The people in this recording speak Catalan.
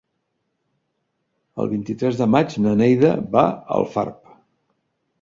El vint-i-tres de maig na Neida va a Alfarb.